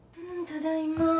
ただいま。